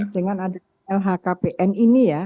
dengan ada lhkpn ini ya